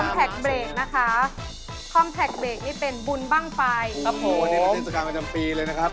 คอมแพคเบรกนี่เป็นบุญบ้างไฟอ๋อนี่เป็นเทศกาลปัจจำปีเลยนะครับ